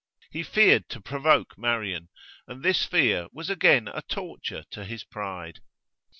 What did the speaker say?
He feared to provoke Marian, and this fear was again a torture to his pride.